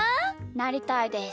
なりたいです。